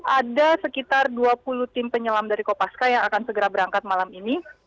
ada sekitar dua puluh tim penyelam dari kopaska yang akan segera berangkat malam ini